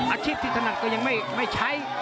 อาชีพที่ถนัดก็ยังไม่ใช้